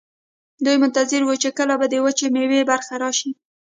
دوی منتظر وو چې کله به د وچې میوې برخه راشي.